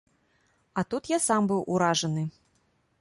А тут я сам быў уражаны!